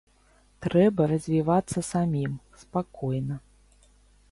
Трэба развівацца самім, спакойна.